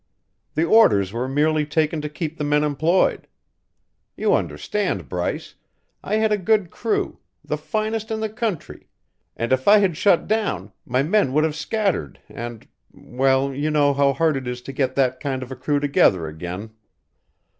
The orders were merely taken to keep the men employed. You understand, Bryce! I had a good crew, the finest in the country; and if I had shut down, my men would have scattered and well, you know how hard it is to get that kind of a crew together again.